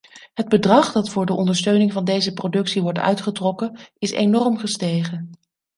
Het bedrag dat voor de ondersteuning van deze productie wordt uitgetrokken, is enorm gestegen.